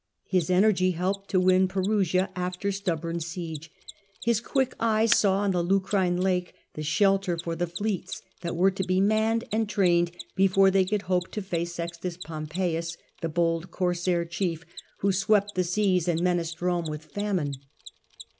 His energy helped to win Perusia after stubborn siege; his quick eye saw in the Lucrine lake the shelter for the fleets that were to be manned and trained before they could hope to face Sextus Pompeius, the bold corsair chief, who swept the seas and menaced Rome with famine.